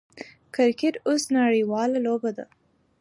کرکټ اوس نړۍواله لوبه ده.